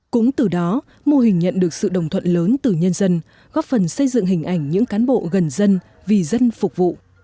cũng từ đó mô hình nhận được sự đồng thuận lớn từ nhân dân góp phần xây dựng hình ảnh những cán bộ gần dân vì dân phục vụ